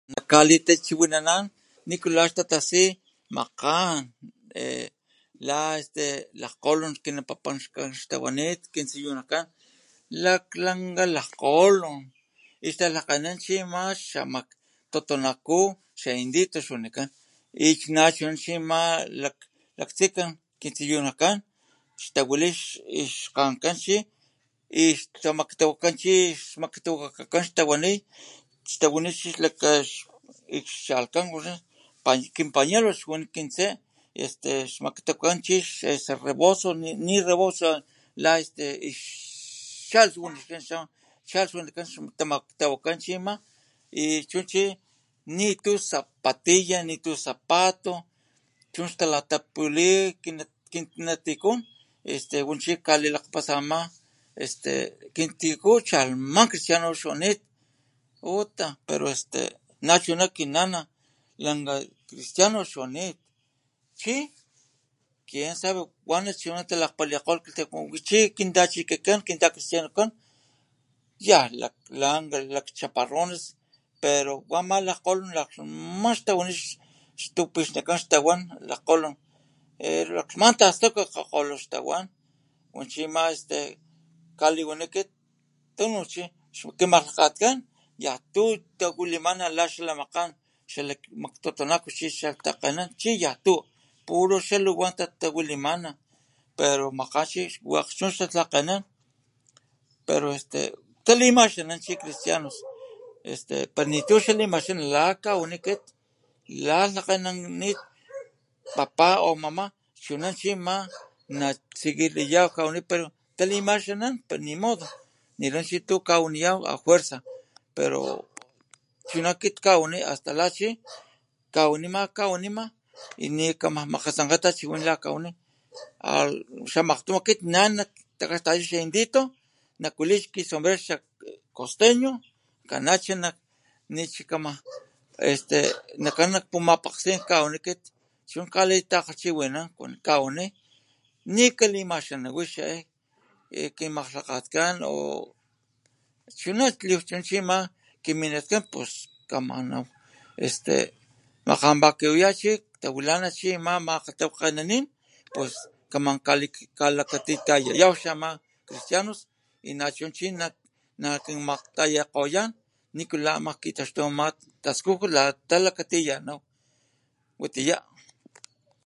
Nak kalitachiwinanan nikula xtatasi makgan la este lakgkgolon kintsiyunakan laklanka lakgkgolon ixtalhakganan chi ama laktutunaku indito xwanikan ixnachuna chi ama laktsikan kintsiyunakan makan xtawan wali ixkgankan chi ixtamaktawaka chi maktawakakan xtawali tawani kinpañuelo ixtse xmaktutukan chi xareboso nireboso la este ixchalh wanikan ixtamaktawakakan chi nitu zapatilla nitu zapatilla chu xtalatapuli kinnatikun wali chi kalakgapasa ama este kintiku chalhman cristiano xwanit uta pero nachuna kinana lanka cristiano xwanit chi kiensabe wana chuna talakhpalikgolh kakilhtamaku kintachikin kintacristianokan yanlaklanka lakchaparron pero wa ama lakgkgolon laklhman xtawanit xtupi xtawan lakgkgolon laklhman tastaka tawan wa chi ama este kaliwani akit tunu chi kiamakgsakan yantu tawalimana la xakagmakan xalak tutunaku chi yan tu puro xaluwan tawalimana pero wakg tawalimana pero talimazanan chi cristianos este opero nitu xalimaxanan kawani akit lalhakganananin papa o mama chuna chi naseguirlayw pero kawani talimazanan pero nimodo nila chi tu kawaniyaw afuerca chu akit kawani asta lata chi kawanima nikama makgatsankga tachiwin la kawani xalimakgtun akit likgataya xaindito nak kuaki xasombero costeño y quimakalhakan o chuna o lawachuna chi ama milakan chuna ama makapakuwiparaya ne ama makgalhtawakgenanin pues kamnakalakatitayayan ama chi cristianios nachuna nakimakgtayakgoyan nikula ama kitaxtukgoyacha ama taskujut watiya.